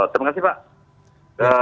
terima kasih pak